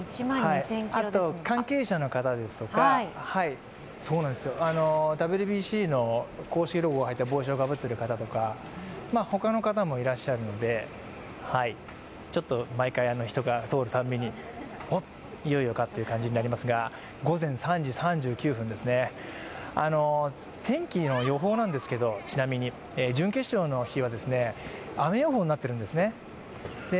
関係者の方ですとか、ＷＢＣの公式ロゴが入った帽子をかぶっている方とか、他の方もいらっしゃるので毎回、人が通るたびに、おっ、いよいよかという感じになりますが午前３時３９分ですね、天気の予報なんですけど、準決勝の日は雨予報になっているんですね。